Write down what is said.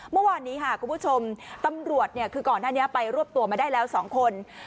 เมื่อวานนี้ค่ะคุณผู้ชมตำรวจคือก่อนหน้านี้ไปรวบตัวมาได้แล้ว๒คน